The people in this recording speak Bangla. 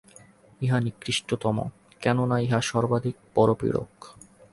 ইহা নিকৃষ্টতম, কেন-না ইহা সর্বাধিক পরপীড়ক।